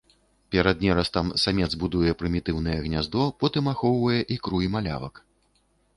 Перад нерастам самец будуе прымітыўнае гняздо, потым ахоўвае ікру і малявак.